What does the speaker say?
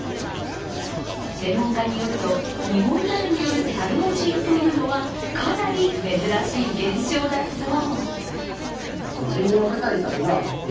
専門家によると、ニホンザルによる猿文字というのはかなり珍しい現象だそう。